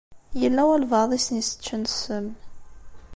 Yella walebɛaḍ i sen-iseččen ssem.